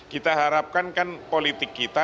kita harapkan kan politik kita